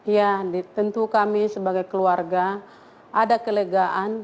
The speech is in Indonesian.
ya tentu kami sebagai keluarga ada kelegaan